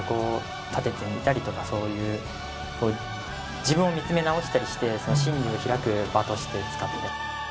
自分を見つめ直したりして真理を開く場として使っています。